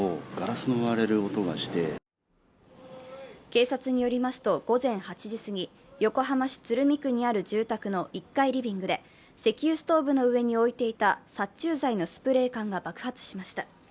警察によりますと、午前８時すぎ、横浜市鶴見区にある住宅の１階リビングで、石油ストーブの上に置いていた殺虫剤のスプレー缶が爆発しました。